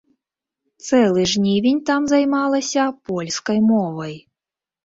Цэлы жнівень там займалася польскай мовай.